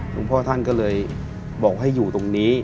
หลวงพ่อท่านก็เลยบอกให้อยู่ตรงนี้